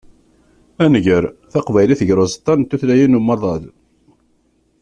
Ad nger taqbaylit gar uẓeṭṭa n tutlayin n umaḍal.